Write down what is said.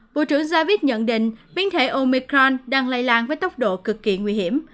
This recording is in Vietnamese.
bộ trưởng javid nhận định biến thể omicron đang lây lan với tốc độ cực kỳ nguy hiểm